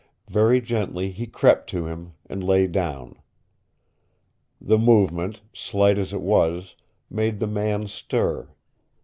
Very gently he crept to him, and lay down. The movement, slight as it was, made the man stir.